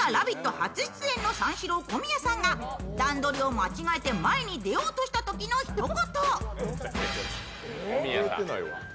初出場の三四郎・小宮さんが段取りを間違えて前に出ようとしたときのひと言。